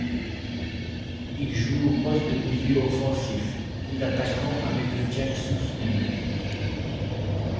Il joue au poste de milieu offensif ou d'attaquant avec le Jiangsu Suning.